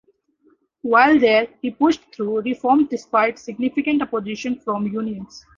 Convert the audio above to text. While there, he pushed through reforms despite significant opposition from unions.